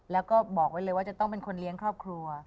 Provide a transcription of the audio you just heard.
แล้วก็บอกไว้เลยว่าจะต้องเป็นคนเลี้ยงครอบครัว